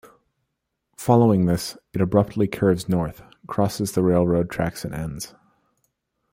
Following this, it abruptly curves north, crosses the railroad tracks and ends.